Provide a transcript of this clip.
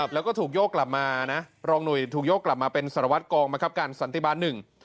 แล้วก็ถูกโยกกลับมานะรองหนุ่ยถูกโยกกลับมาเป็นสารวัตรกองบังคับการสันติบาลหนึ่ง